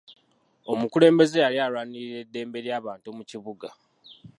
Omukulembeze yali alwanirira eddembe ly'abantu mu kibuga.